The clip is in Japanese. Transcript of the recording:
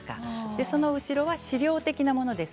その後ろは資料的なものです。